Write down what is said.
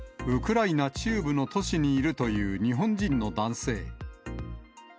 ウクライナ中部の都市にいるという、日本人の男性。